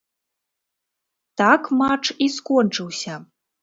Так матч і скончыўся.